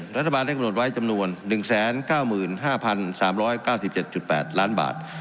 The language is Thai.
รัฐบาลได้กำหนดไว้จำนวน๑๙๕๓๙๗๘ล้านบาท